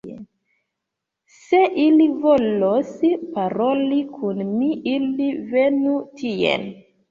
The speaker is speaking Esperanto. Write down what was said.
Se ili volos paroli kun mi, ili venu tien.